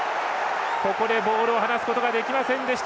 ボールを放すことができませんでした。